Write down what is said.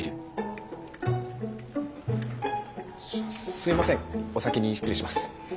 すみませんお先に失礼します。